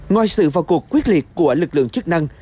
ngoài sự vào cuộc quyết liệt của lực lượng chức năng